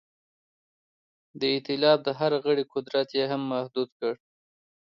د ایتلاف د هر غړي قدرت یې هم محدود کړ.